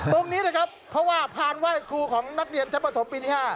ตรงนี้นะครับเพราะว่าพานไหว้ครูของนักเรียนชั้นประถมปีที่๕